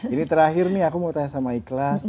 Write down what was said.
ini terakhir nih aku mau tanya sama ikhlas